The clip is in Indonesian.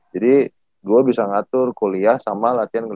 jadi gue bisa ngatur kuliah sama latihan